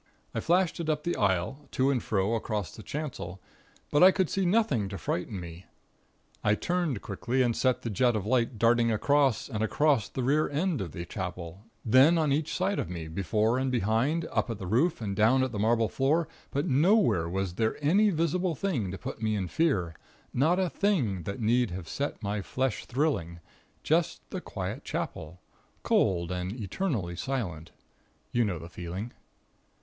I flashed it up the aisle, to and fro across the chancel, but I could see nothing to frighten me. I turned quickly, and sent the jet of light darting across and across the rear end of the Chapel; then on each side of me, before and behind, up at the roof and down at the marble floor, but nowhere was there any visible thing to put me in fear, not a thing that need have set my flesh thrilling; just the quiet Chapel, cold, and eternally silent. You know the feeling.